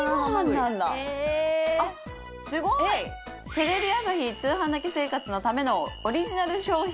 「テレビ朝日『通販だけ生活』のためのオリジナル商品」